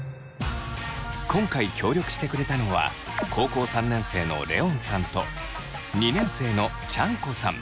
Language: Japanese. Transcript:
今回協力してくれたのは高校３年生のレオンさんと２年生のチャン子さん。